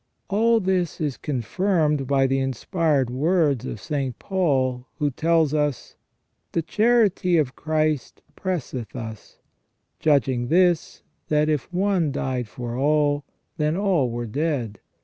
All this is confirmed by the inspired words of St. Paul, who tells us :" The charity of Christ presseth us ; judging this, that if one died for all, then all were dead.